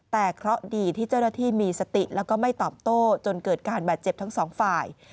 แต่เคราะห์ดีที่เจ้าหน้าที่มีสติแล้วก็ไม่ตอบโต้จนเกิดการบาดเจ็บทั้งสองฝ่าย